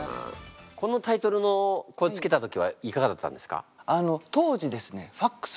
このタイトルのこれ付けた時はいかがだったんですか？